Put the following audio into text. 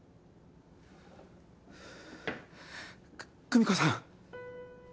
く久美子さん。